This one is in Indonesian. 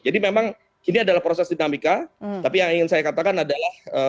jadi memang ini adalah proses dinamika tapi yang ingin saya katakan adalah